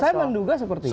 saya menduga seperti itu